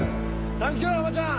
サンキューはまちゃん！